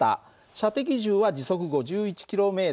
射的銃は時速５１ｋｍ。